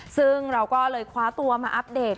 ซึ่งเราก็เลยคว้าตัวมาอัปเดต